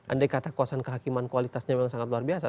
andai kata kuasaan kehakiman kualitasnya memang sangat luar biasa